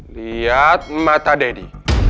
liat mata daddy